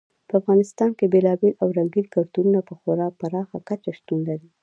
په افغانستان کې بېلابېل او رنګین کلتورونه په خورا پراخه کچه شتون لري.